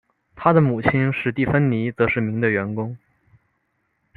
他的母亲史蒂芬妮则是名的员工。